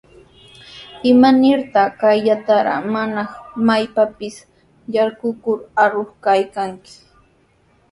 ¿Imanirtaq kayllatraw mana maypapis yarqukur arur kaykanki?